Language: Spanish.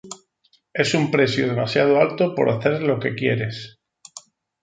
Es un precio demasiado alto por hacer lo que quieres".